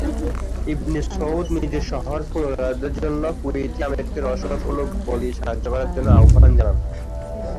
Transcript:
ইবনে Saud নিজের শহর পুনরুদ্ধারের জন্য কুয়েতি আমিরকে রসদ ও লোকবল দিয়ে সাহায্য করার জন্য আহ্বান জানান।